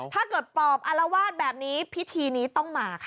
ถ้าเกิดตอบอลวาสแบบนี้พิธีนี้ต้องมาค่ะ